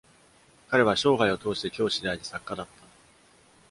彼は生涯を通して教師であり、作家だった。